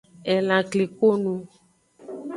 Elan klikonu.